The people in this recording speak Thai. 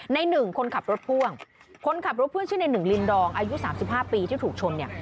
หนึ่งคนขับรถพ่วงคนขับรถเพื่อนชื่อในหนึ่งลินดองอายุ๓๕ปีที่ถูกชนเนี่ย